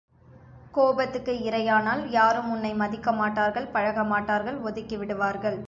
கோபத்துக்கு இரையானால் யாரும் உன்னை மதிக்க மாட்டார்கள் பழகமாட்டார்கள் ஒதுக்கிவிடுவார்கள்.